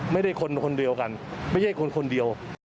ไม่ได้คนคนเดียวกันไม่ใช่คนคนเดียว